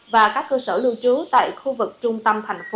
và các cơ sở lưu trú tại khu vực trung tâm thành phố